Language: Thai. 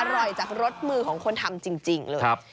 อร่อยจากรสมือของคนทำจริงเลย